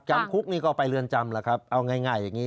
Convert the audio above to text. จำคุกนี่ก็ไปเรือนจำแล้วครับเอาง่ายอย่างนี้